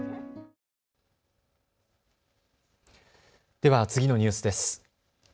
では次のニュースです。